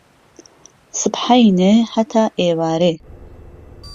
سبحەینێ هەتا ئیوارێ